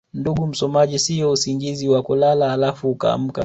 ndugu msomaji siyo usingizi wa kulala alafu ukaamka